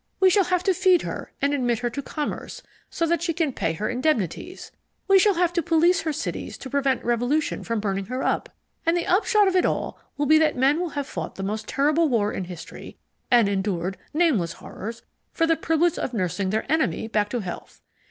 We shall have to feed her and admit her to commerce so that she can pay her indemnities we shall have to police her cities to prevent revolution from burning her up and the upshot of it all will be that men will have fought the most terrible war in history, and endured nameless horrors, for the privilege of nursing their enemy back to health.